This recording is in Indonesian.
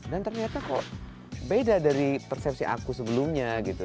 dan ternyata kok beda dari persepsi aku sebelumnya gitu